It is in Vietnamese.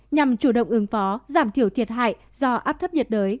nhằm chủ động ứng phó giảm thiểu thiệt hại do áp thấp nhiệt đới